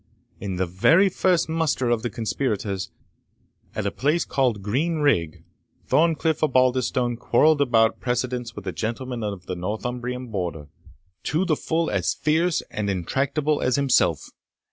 In the very first muster of the conspirators, at a place called Green Rigg, Thorncliff Osbaldistone quarrelled about precedence with a gentleman of the Northumbrian border, to the full as fierce and intractable as himself.